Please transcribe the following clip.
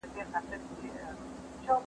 تېر سول.